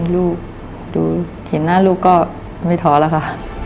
ลูกดูเห็นหน้าลูกก็ไม่ท้อแล้วค่ะ